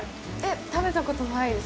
食べたことないです。